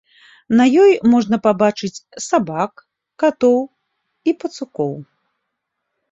На ёй можна пабачыць сабак, катоў і пацукоў.